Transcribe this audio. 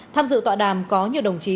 tham dự tọa đàm có nhiều đồng chí